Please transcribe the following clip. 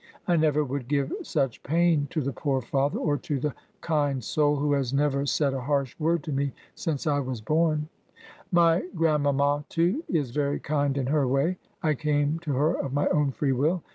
I never would give such pain to the poor father, or to the kind soul who has never said a harsh word to me since I was bom. My grandmamma, too, is very kind in her way. I came to her of my own free will.